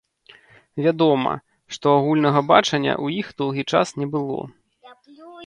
Вядома, што агульнага бачання ў іх доўгі час не было.